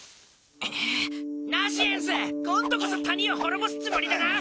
ナシエンス今度こそ谷を滅ぼすつもりだな！